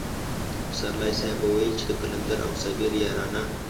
پسرلی صاحب به ويل چې د قلندر او صابر يارانه.